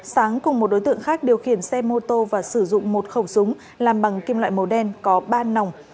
sáng cùng một đối tượng khác điều khiển xe mô tô và sử dụng một khẩu súng làm bằng kim loại màu đen có ba nòng